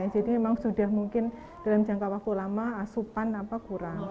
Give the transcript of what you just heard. jadi memang sudah mungkin dalam jangka waktu lama asupan kurang